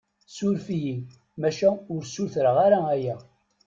Suref-iyi, maca ur sutreɣ ara aya.